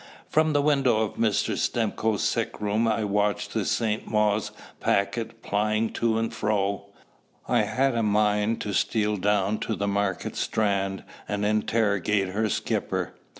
From the window of Mr. Stimcoe's sickroom I watched the St. Mawes packet plying to and fro. I had a mind to steal down to the Market Strand and interrogate her skipper.